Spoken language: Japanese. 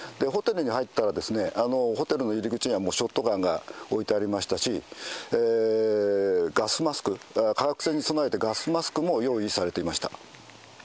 ホテルに入ったら、ホテルの入り口には、もうショットガンが置いてありましたし、ガスマスク、化学戦に備えて、ガスマスクも用意されていました。